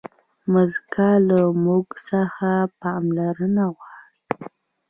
مځکه له موږ څخه پاملرنه غواړي.